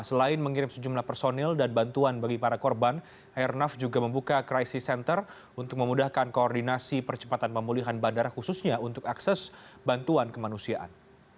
selain mengirim sejumlah personil dan bantuan bagi para korban airnav juga membuka crisis center untuk memudahkan koordinasi percepatan pemulihan bandara khususnya untuk akses bantuan kemanusiaan